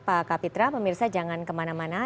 pak kapitra pemirsa jangan kemana mana